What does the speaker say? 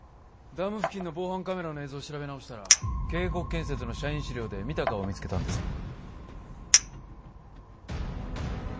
ダム付近の防犯カメラの映像を調べ直したら京国建設の社員資料で見た顔を見つけたんです